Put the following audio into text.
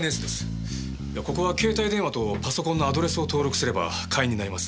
いやここは携帯電話とパソコンのアドレスを登録すれば会員になれます。